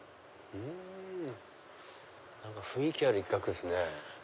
何か雰囲気ある一角ですね。